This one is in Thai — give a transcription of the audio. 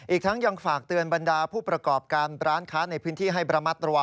อีกทั้งอย่างฝากเตือนบันดาผู้ประกอบการ